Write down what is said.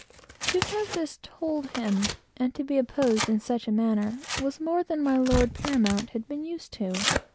To have this told him, and to be opposed in such a manner, was more than my lord paramount had been used to.